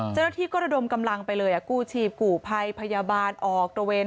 เจ้าหน้าที่ก็ระดมกำลังไปเลยกู้ชีพกู่ภัยพยาบาลออกตระเวน